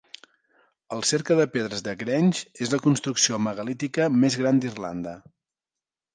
El cercle de pedres de Grange és la construcció megalítica més gran d'Irlanda.